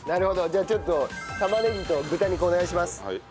じゃあちょっと玉ねぎと豚肉をお願いします。